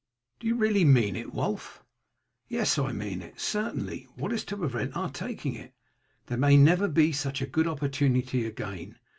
"Do you really mean it, Wulf?" "Yes I mean it, certainly. What is to prevent our taking it? There may never be such a good opportunity again.